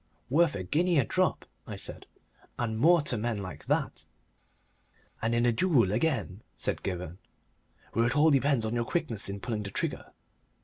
"Worth a guinea a drop," said I, "and more to men like that." "And in a duel, again," said Gibberne, "where it all depends on your quickness in pulling the trigger."